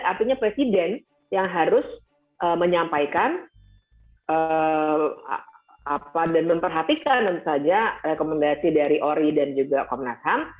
artinya presiden yang harus menyampaikan dan memperhatikan saja rekomendasi dari ori dan juga komnas ham